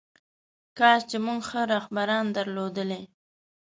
کاش چې موږ ښه رهبران درلودلی.